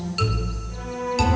tidak itu tidak cukup kuat